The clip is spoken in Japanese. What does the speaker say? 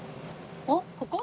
あっここ？